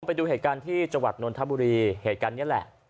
ไปดูเหตุการณ์ที่จังหวัดนนทบุรีเหตุการณ์นี้แหละ